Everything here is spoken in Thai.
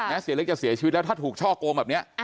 เสียเล็กจะเสียชีวิตแล้วถ้าถูกช่อโกงแบบนี้